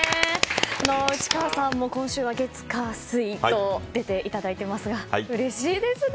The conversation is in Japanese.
内川さんも今週は月火水と出ていただいていますがうれしいですね。